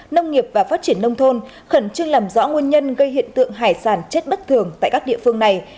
nông nghiệp và phát triển nông thôn khẩn trương làm rõ nguyên nhân gây hiện tượng hải sản chết bất thường tại các địa phương này